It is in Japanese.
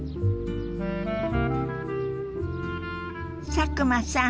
佐久間さん